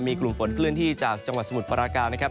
มีกลุ่มฝนเคลื่อนที่จากจังหวัดสมุทรปราการนะครับ